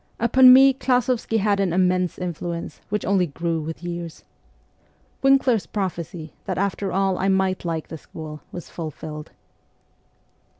Upon me Klas6vsky had an immense influence, which only grew with years. Winkler's prophecy, that, after all, I might like the school, was fulfilled.